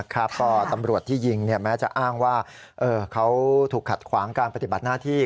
ก็ตำรวจที่ยิงแม้จะอ้างว่าเขาถูกขัดขวางการปฏิบัติหน้าที่